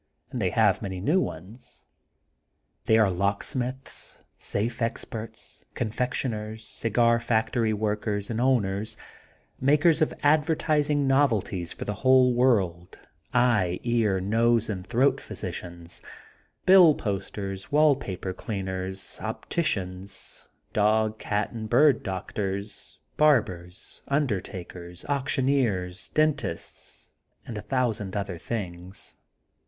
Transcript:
And they have many new ones. They are lock smiths, safe experts, confectioners, cigar fac tory workers and owners, makers of adver tising novelties for the whole world, eye, ear, nose and throat physicians, bill posters, wall paper cleaners, opticians, dog, cat, and bird doctors, barbers, undertakers, auctioneers, dentists, and a thousand other things.